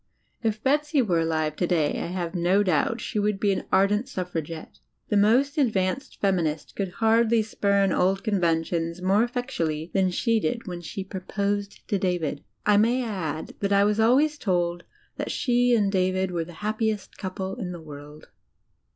If Betsy were alive today, I have no doubt, she would be an ardent suffragetre. The most advanced feminist could hardly spurn old conventions more effectually than she did when she proposed to David. I may add that I was always told that she and David were the happiest couple in the world.